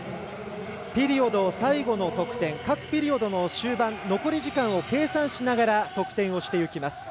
ピリオド最後の得点各ピリオドの終盤残り時間を計算しながら得点をしていきます。